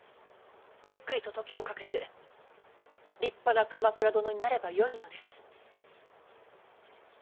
ゆっくりと時をかけて立派な鎌倉殿になればよいのです。